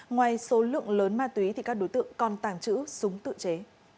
ngoài số lượng lớn ma túy thì các đối tượng còn tàng trữ súng tự chế